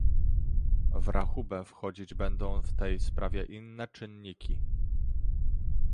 W rachubę wchodzić będą w tej sprawie inne czynniki